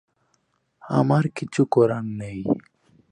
আমার কিছু করার নেই।